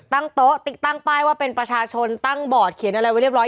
ตั้งโต๊ะติดตั้งป้ายว่าเป็นประชาชนตั้งบอร์ดเขียนอะไรไว้เรียบร้อ